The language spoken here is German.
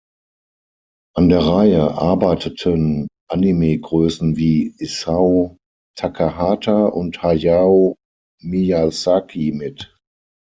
An der Reihe arbeiteten Anime-Größen wie Isao Takahata und Hayao Miyazaki mit.